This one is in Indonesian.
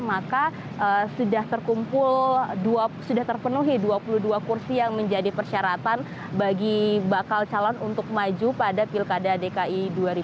maka sudah terkumpul sudah terpenuhi dua puluh dua kursi yang menjadi persyaratan bagi bakal calon untuk maju pada pilkada dki dua ribu tujuh belas